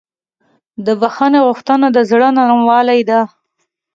د بښنې غوښتنه د زړه نرموالی ده.